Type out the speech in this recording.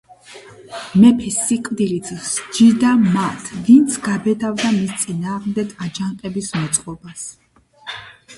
მეფე სიკვდილით სჯიდა მათ, ვინც გაბედავდა მის წინააღმდეგ აჯანყების მოწყობას.